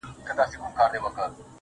ستا خو جانانه د رڼا خبر په لـپـه كي وي.